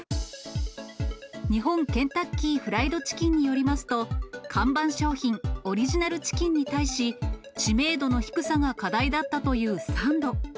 日本ケンタッキー・フライド・チキンによりますと、看板商品、オリジナルチキンに対し、知名度の低さが課題だったというサンド。